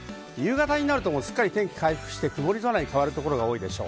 夕方になると、もうすっかり天気回復して曇り空に変わるところがあるでしょう。